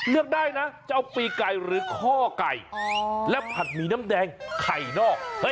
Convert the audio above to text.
เลือกได้นะเจ้าปีไก่หรือข้อไก่และผัดหมี่น้ำแดงไข่นอก